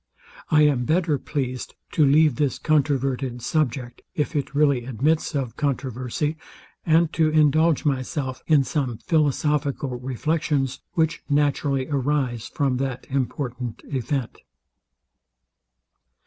I am better pleased to leave this controverted subject, if it really admits of controversy; and to indulge myself in some philosophical reflections, which naturally arise from that important event.